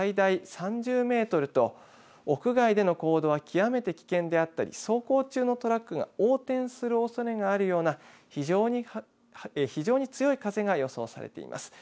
陸上では三重県内、最大３０メートルと屋外での行動は極めて危険であったり走行中のトラックが横転するおそれがあるような非常に強い風が予想されています。